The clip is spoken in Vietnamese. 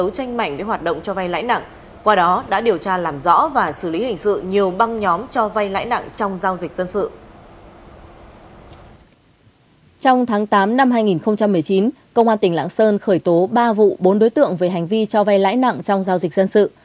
trong tháng tám năm hai nghìn một mươi chín công an tỉnh lạng sơn khởi tố ba vụ bốn đối tượng về hành vi cho vay lãi nặng trong giao dịch dân sự